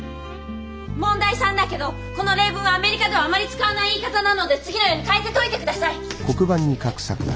問題３だけどこの例文はアメリカではあまり使わない言い方なので次のように変えて解いてください。